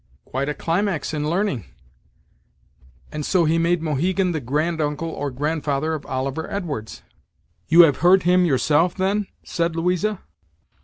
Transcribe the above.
"Quite a climax in learning'. And so he made Mohegan the granduncle or grandfather of Oliver Edwards." "You have heard him yourself, then?" said Louisa.